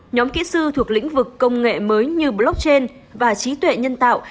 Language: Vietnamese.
nhóm kỹ sư thuộc lĩnh vực công nghệ mới như blockchain và trí tuệ nhân tạo